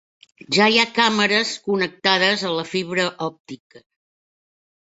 Ja hi ha càmeres connectades a la fibra òptica.